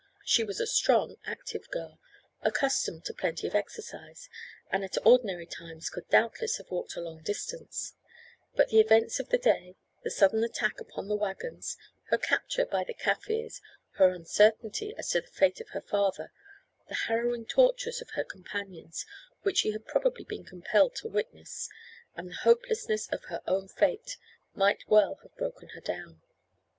She was a strong active girl, accustomed to plenty of exercise, and at ordinary times could doubtless have walked a long distance; but the events of the day, the sudden attack upon the waggons, her capture by the Kaffirs, her uncertainty as to the fate of her father, the harrowing tortures of her companions, which she had probably been compelled to witness, and the hopelessness of her own fate, might well have broken her down.